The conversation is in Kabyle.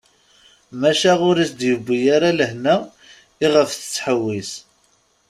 Maca ur as-d-yewwi ara lehna iɣef tettḥewwis.